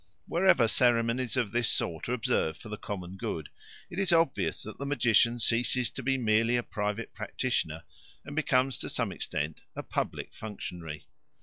Wherever ceremonies of this sort are observed for the common good, it is obvious that the magician ceases to be merely a private practitioner and becomes to some extent a public functionary.